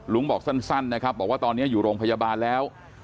บอกสั้นนะครับบอกว่าตอนนี้อยู่โรงพยาบาลแล้ว